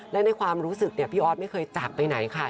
และในความรู้สึกพี่ออสไม่เคยจากไปไหนค่ะ